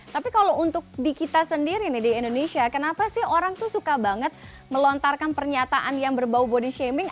tapi kalau untuk di kita sendiri nih di indonesia kenapa sih orang tuh suka banget melontarkan pernyataan yang berbau body shaming